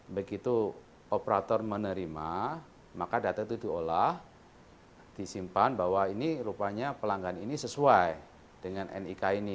begitu operator menerima maka data itu diolah disimpan bahwa ini rupanya pelanggan ini sesuai dengan nik ini